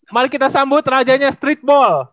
mari kita sambut rajanya streetball